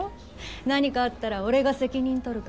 何かあったら俺が責任取るからって。